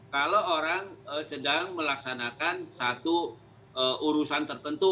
kalau orang sedang melaksanakan satu urusan tertentu